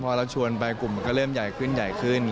พอเราชวนไปกลุ่มก็เริ่มใหญ่ขึ้นขึ้น